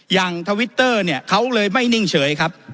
ทวิตเตอร์เนี่ยเขาเลยไม่นิ่งเฉยครับ